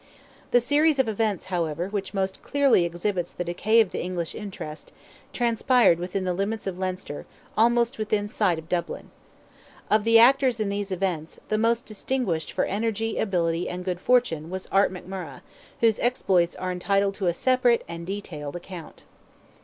The series of events, however, which most clearly exhibits the decay of the English interest, transpired within the limits of Leinster, almost within sight of Dublin. Of the actors in these events, the most distinguished for energy, ability, and good fortune, was Art McMurrogh, whose exploits are entitled to a separate and detailed account.